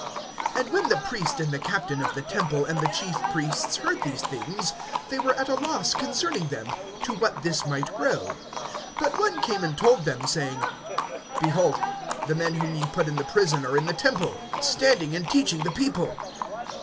(24)And when the priest and the captain of the temple and the chief priests heard these things, they were at a loss concerning them, to what this might grow. (25)But one came and told them, saying: Behold, the men whom ye put in the prison are in the temple, standing and teaching the people.